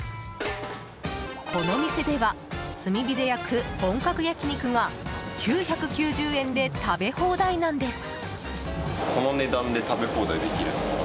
この店では炭火で焼く本格焼き肉が９９０円で食べ放題なんです。